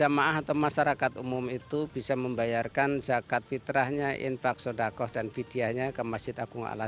menurut salah satu warga layanan zakat drive thru memberikan rasa aman kepada jemaah